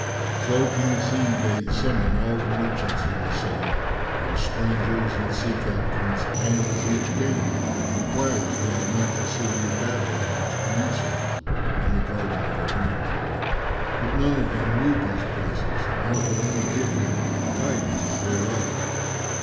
So King Asim bade summon all the merchants in the city and strangers and sea captains and, as each came, enquired of him anent the city of Babel and its peninsula[FN#391] and the garden of Iram; but none of them knew these places nor could any give him tidings thereof.